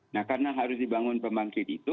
nah karena harus dibangun pembangkit itu